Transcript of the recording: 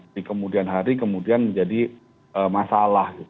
di kemudian hari kemudian menjadi masalah